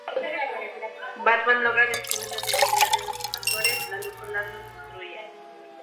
Batman logra descubrir la debilidad de los invasores: la luz solar los destruye.